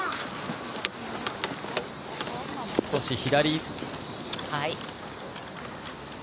少し左。